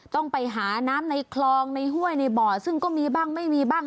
ต้องไปหาน้ำในคลองในห้วยในบ่อซึ่งก็มีบ้างไม่มีบ้าง